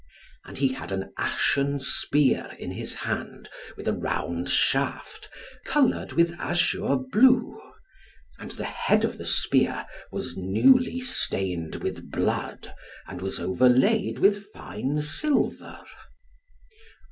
And he had an ashen spear in his hand, with a round shaft, coloured with azure blue. And the head of the spear was newly stained with blood, and was overlaid with fine silver.